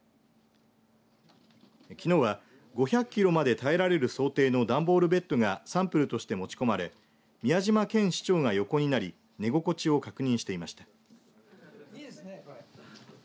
きのうは５００キロまで耐えられる想定の段ボールベッドがサンプルとして持ち込まれ宮嶋謙市長が横になり寝心地を確認していました。